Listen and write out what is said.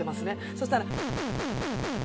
そしたら。